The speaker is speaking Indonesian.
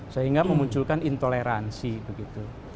sehingga memunculkan intoleransi begitu